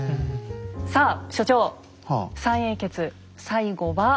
さあ所長三英傑最後は。